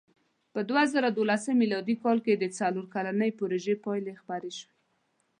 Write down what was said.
په دوهزرهلسم مېلادي کال کې د څلور کلنې پروژې پایلې خپرې شوې.